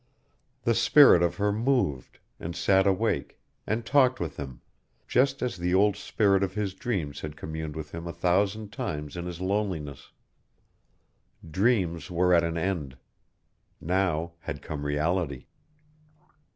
The spirit of her moved, and sat awake, and talked with him, just as the old spirit of his dreams had communed with him a thousand times in his loneliness. Dreams were at an end. Now had come reality.